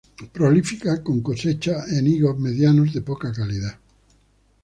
Prolífica con cosecha en higos medianos de poca calidad.